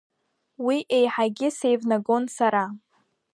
Уи еиҳагьы сеивнагон сара.